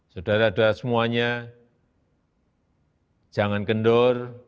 saudara saudara semuanya jangan kendur